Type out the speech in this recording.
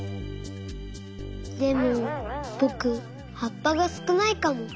でもぼくはっぱがすくないかも。